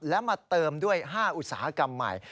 และมาเติมด้วย๕อุตสาหกรรมใหม่